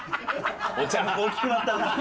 お茶の子大きくなったな。